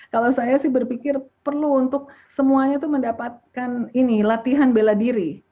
kalau saya sih berpikir perlu untuk semuanya itu mendapatkan latihan bela diri